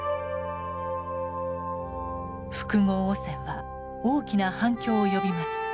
「複合汚染」は大きな反響を呼びます。